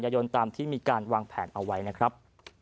ยนตามที่มีการวางแผนเอาไว้นะครับ